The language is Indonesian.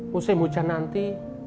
musim hujan nanti